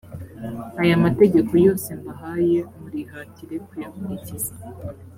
aya mategeko yose mbahaye, murihatire kuyakurikiza;